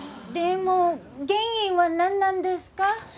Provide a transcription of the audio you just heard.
でも原因はなんなんですか？